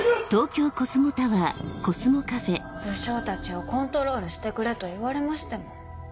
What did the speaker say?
武将たちをコントロールしてくれと言われましても。